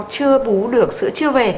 chưa bú được sữa chưa về